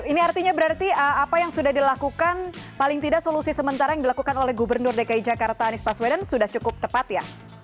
ini artinya berarti apa yang sudah dilakukan paling tidak solusi sementara yang dilakukan oleh gubernur dki jakarta anies paswedan sudah cukup tepat ya